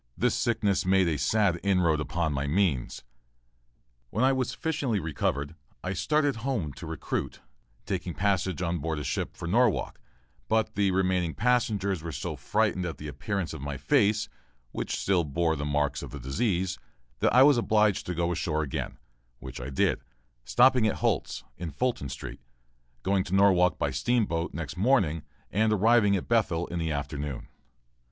This sickness made a sad inroad upon my means. When I was sufficiently recovered, I started for home to recruit, taking passage on board a sloop for Norwalk, but the remaining passengers were so frightened at the appearance of my face, which still bore the marks of the disease, that I was obliged to go ashore again, which I did, stopping at Holt's, in Fulton Street, going to Norwalk by steamboat next morning, and arriving at Bethel in the afternoon.